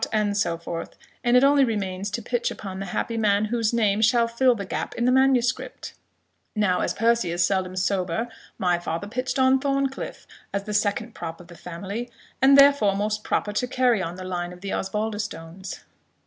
and so forth; and it only remains to pitch upon the happy man whose name shall fill the gap in the manuscript. Now, as Percie is seldom sober, my father pitched on Thorncliff, as the second prop of the family, and therefore most proper to carry on the line of the Osbaldistones."